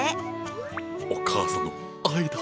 お母さんの愛だ。